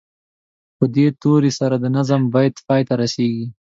په دې توري سره د نظم بیت پای ته رسیږي.